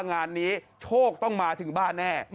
งานนี้โชคต้องมาถึงบ้านแน่